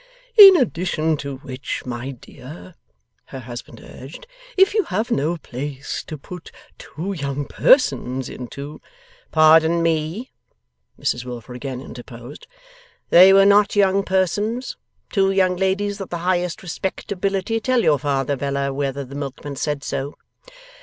'In addition to which, my dear,' her husband urged, 'if you have no place to put two young persons into ' 'Pardon me,' Mrs Wilfer again interposed; 'they were not young persons. Two young ladies of the highest respectability. Tell your father, Bella, whether the milkman said so.